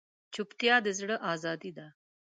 چوپتیا، د زړه ازادي ده.